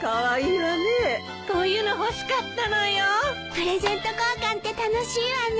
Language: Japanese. プレゼント交換って楽しいわね！